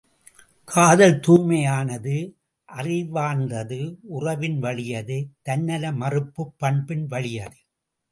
காதல் தூய்மையானது அறிவார்ந்தது உறவின் வழியது தன்னல மறுப்புப் பண்பின் வழியது.